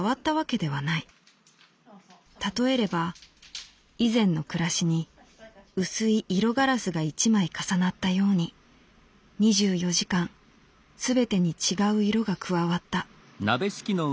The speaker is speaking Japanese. たとえれば以前の暮らしに薄い色ガラスが一枚重なったように二十四時間すべてに違う色が加わった」。